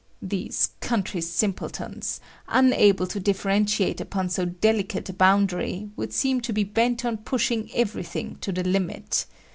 These country simpletons, unable to differentiate upon so delicate a boundary, would seem to be bent on pushing everything to the limit.